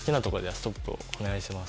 ストップをお願いします。